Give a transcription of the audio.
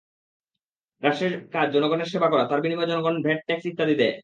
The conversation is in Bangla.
রাষ্ট্রের কাজ জনগণের সেবা করা তার বিনিময়ে জনগণ ভ্যাট, ট্যাক্স ইত্যাদি দেয়।